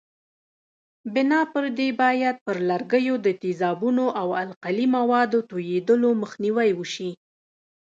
بنا پر دې باید پر لرګیو د تیزابونو او القلي موادو توېدلو مخنیوی وشي.